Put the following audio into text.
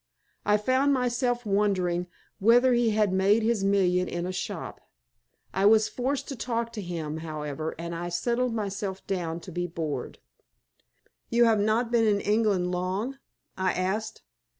I found myself wondering whether he had made his million in a shop. I was forced to talk to him, however, and I settled myself down to be bored. "You have not been in England long?" I asked.